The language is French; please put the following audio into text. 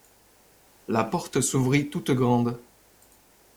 La porte s'ouvrit toute grande.